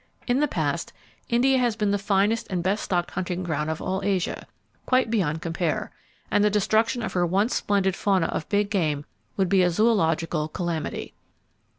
In the past India has been the finest and best stocked hunting ground of all Asia, quite beyond compare, and the destruction of her once splendid fauna of big game would be a zoological calamity.